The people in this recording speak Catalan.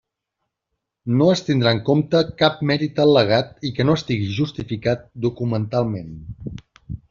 No es tindrà en compte cap mèrit al·legat i que no estiga justificat documentalment.